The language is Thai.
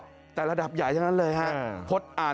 ก็ไม่รู้ว่าจะหามาได้จะบวชก่อนเบียดหรือเปล่า